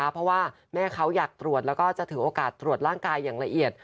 เพราะว่าแม่เขาอยากตรวจแล้วก็จะถือโอกาสตรวจร่างกายอย่างละเอียด